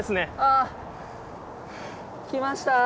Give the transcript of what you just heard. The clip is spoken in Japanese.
あ来ました。